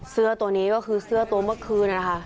เสื้อตัวนี้ก็คือเสื้อตัวเมื่อคืนนะคะ